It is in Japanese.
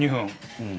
うん？